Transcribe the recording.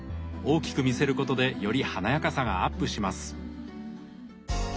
大きく見せることでより華やかさがアップします。